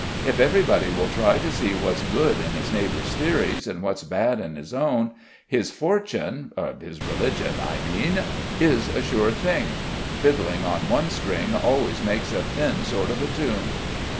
If everybody will try to see what's good in his neighbor's theories and what's bad in his own, his fortune his religion, I mean is a sure thing. Fiddling on one string always makes a thin sort of a tune."